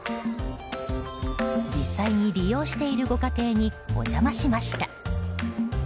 実際に利用しているご家庭にお邪魔しました。